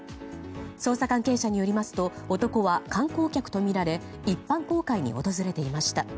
捜査関係者によりますと男は観光客とみられ一般公開に訪れていました。